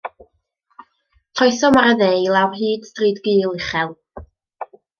Troesom ar y dde i lawr hyd stryd gul uchel.